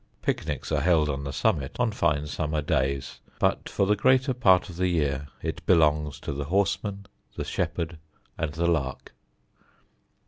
Picnics are held on the summit on fine summer days, but for the greater part of the year it belongs to the horseman, the shepherd and the lark.